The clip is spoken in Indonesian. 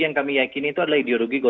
yang kami yakini itu adalah ideologi